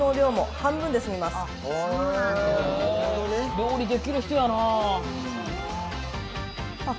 料理できる人やなあ。